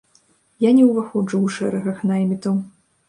Я не ўваходжу ў шэрагах наймітаў.